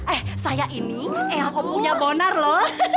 eh saya ini yang om punya bonar loh